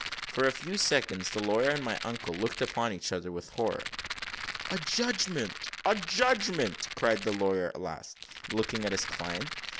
For a few seconds, the lawyer and my uncle looked upon each other with horror. "A judgment! a judgment!" cried the lawyer at last, looking at his client.